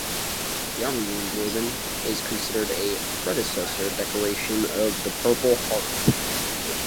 The Army Wound Ribbon is considered a predecessor decoration of the Purple Heart.